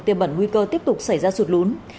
tiềm bẩn nguy cơ tiếp tục xảy ra sụt lún